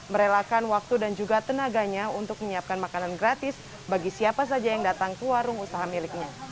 merelakan waktu dan juga tenaganya untuk menyiapkan makanan gratis bagi siapa saja yang datang ke warung usaha miliknya